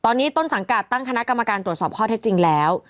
ตอนนี้ต้นสังกัดตั้งคณะกรรมการตรวจสอบข้อเท็จจริงแล้ว